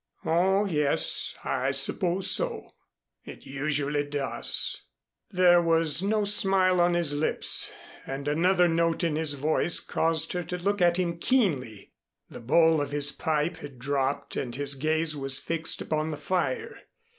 "Oh, yes. I suppose so. It usually does." There was no smile on his lips and another note in his voice caused her to look at him keenly. The bowl of his pipe had dropped and his gaze was fixed upon the fire.